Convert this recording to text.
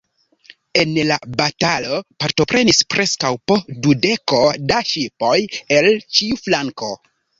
En la batalo partoprenis preskaŭ po dudeko da ŝipoj el ĉiu flanko.